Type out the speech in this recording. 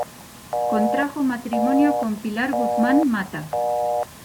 Contrajo matrimonio con Pilar Guzmán Matta.